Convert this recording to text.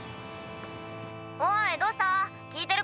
☎おいどうした？